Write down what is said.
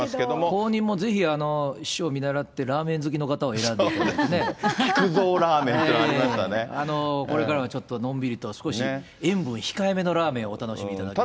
後任もぜひ、師匠を見習って、ラーメン好きの方を選んでいただ木久蔵ラーメンっていうのがこれからはちょっとのんびりと、少し、塩分控えめのラーメンをお楽しみいただきたい。